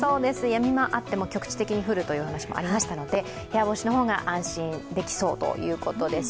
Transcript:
やみ間あっても局地的に降るという話もありましたので部屋干しの方が安心できそうということです。